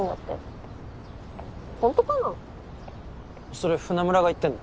それ船村が言ってんの？